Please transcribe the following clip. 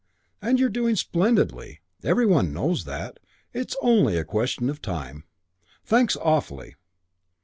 And you're doing splendidly. Every one knows that. It's only a question of time. Thanks awfully."